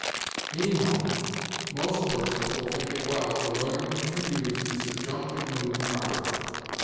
Meanwhile, most persons will think it well to learn to use the subjunctive mood properly.